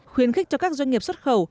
khuyến khích cho các doanh nghiệp xuất khẩu